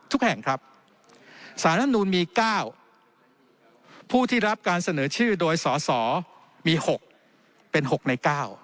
แห่งครับสารรัฐมนูลมี๙ผู้ที่รับการเสนอชื่อโดยสสมี๖เป็น๖ใน๙